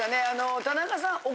あの田中さん